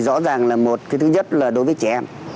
rõ ràng là thứ nhất là đối với trẻ em